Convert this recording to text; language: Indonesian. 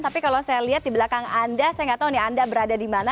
tapi kalau saya lihat di belakang anda saya nggak tahu nih anda berada di mana